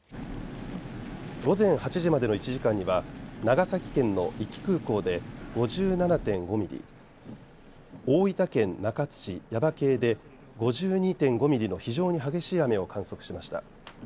午前８時までの１時間には長崎県の壱岐空港で５７．５ミリ、大分県中津市耶馬溪で５２．５ミリの非常に激しい雨を観測しました。